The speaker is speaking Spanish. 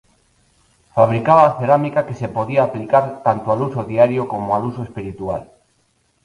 Fabricaba cerámica que se podía aplicar tanto al uso diario como al uso espiritual.